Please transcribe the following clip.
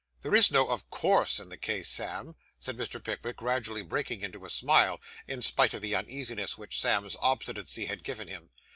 'There is no "of course" in the case, Sam,' said Mr. Pickwick, gradually breaking into a smile, in spite of the uneasiness which Sam's obstinacy had given him.